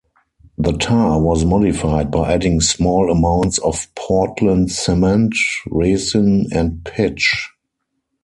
The tar was modified by adding small amounts of Portland cement, resin, and pitch.